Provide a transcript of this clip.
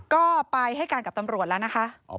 ก็ไปให้การกับตำรวจแล้วนะคะ